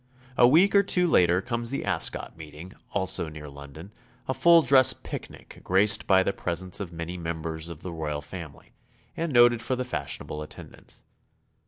A week or two later ccwmes the Ascot meeting, also near London, a full dress picnic graced by the presence of many members of the royal family, and noted for the fashionable attendance.